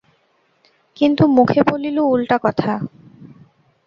কিন্তু মুখে বলিল উলটা কথা।